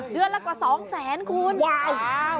เดือนละกว่า๒แสนคุณว้าว